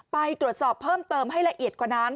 ไปตรวจสอบเพิ่มเติมให้ละเอียดกว่านั้น